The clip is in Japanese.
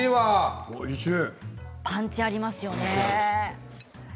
パンチありますよね。